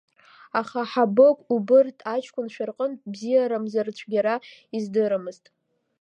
Аха Хабыгә убырҭ аҷкәынцәа рҟынтә бзиарамзар цәгьара издырамызт.